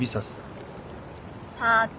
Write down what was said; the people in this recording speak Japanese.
パート。